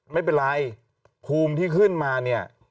ไม่เป็นไรภูมิที่ขึ้นมาเนี่ย